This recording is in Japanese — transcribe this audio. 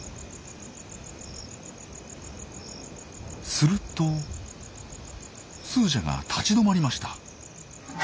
するとスージャが立ち止まりました。